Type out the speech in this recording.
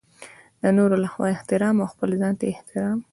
د نورو لخوا احترام او خپل ځانته احترام.